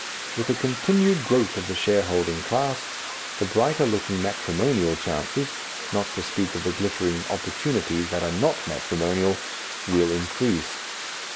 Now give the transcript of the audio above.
With the continued growth of the shareholding class, the brighter looking matrimonial chances, not to speak of the glittering opportunities that are not matrimonial, will increase.